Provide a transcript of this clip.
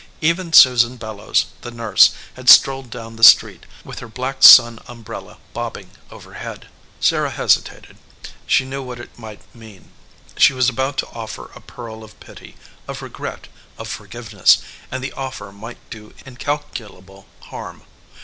Even Susan Bellows, the nurse, had strolled down the street, with her black sun umbrella bobbing overhead. Sarah hesitated ; she knew what it might mean : she was about to offer a pearl of pity, of regret, of forgiveness, and the offer might do incalculable harm.